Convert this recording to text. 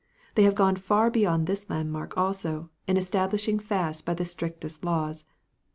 They have gone far beyond this landmark also, in establishing fasts by the strictest laws.